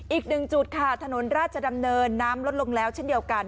อีกหนึ่งจุดค่ะถนนราชดำเนินน้ำลดลงแล้วเช่นเดียวกัน